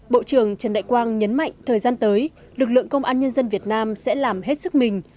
bộ trưởng trần đại quang nhấn mạnh thời gian tới lực lượng công an nhân dân việt nam sẽ làm hết sức mình